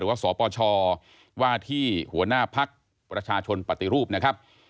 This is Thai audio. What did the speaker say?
หรือว่าสปชว่าที่หัวหน้าภักร์ประชาชนปฏิรูปนะครับ